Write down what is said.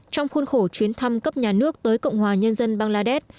trong khuôn khổ chuyến thăm cấp nhà nước tới cộng hòa nhân dân bangladesh